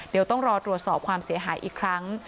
เดี๋ยวต้องรอตรวจสอบความเสียหายอีกครั้ง